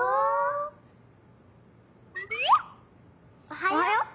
おはよっ。